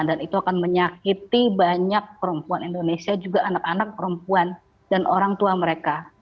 dan itu akan menyakiti banyak perempuan indonesia juga anak anak perempuan dan orang tua mereka